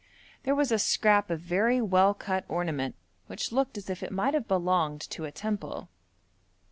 There was a scrap of very well cut ornament, which looked as if it might have belonged to a temple.